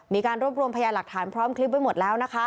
มีการรวบรวมพยาหลักฐานพร้อมคลิปไว้หมดแล้วนะคะ